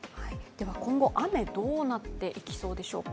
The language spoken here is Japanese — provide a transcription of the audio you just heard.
今後、雨どうなっていきそうでしょうか。